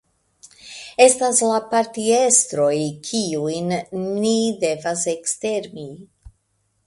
Estas la partiestroj, kiujn ni devas ekstermi.